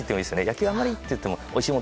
野球あんまりって言ってもおいしいもの